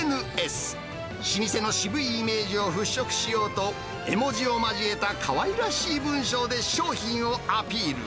老舗の渋いイメージを払拭しようと、絵文字を交えたかわいらしい文章で商品をアピール。